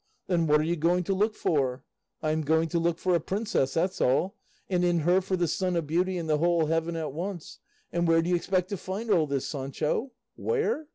Then what are you going to look for? I am going to look for a princess, that's all; and in her for the sun of beauty and the whole heaven at once. And where do you expect to find all this, Sancho? Where?